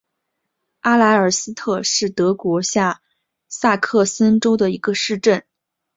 阿莱尔斯特是德国下萨克森州的一个市镇。